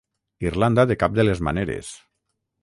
Irlanda de cap de les maneres.